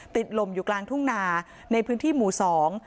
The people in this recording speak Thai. ลมอยู่กลางทุ่งนาในพื้นที่หมู่สอง